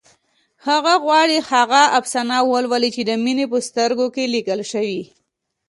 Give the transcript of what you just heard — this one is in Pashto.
هغه غواړي هغه افسانه ولولي چې د مينې په سترګو کې لیکل شوې